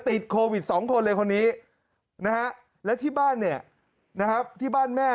ติดโควิด๒คนเลยคนนี้และที่บ้านแม่เนี่ย